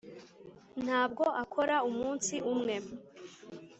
ntabwo akora umunsi umwe